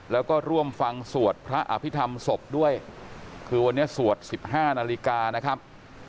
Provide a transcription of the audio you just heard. แล้วก็ร่วมฟังสวดพระอภิษฐรรมศพด้วยคือวันนี้สวด๑๕นาฬิกานะครับ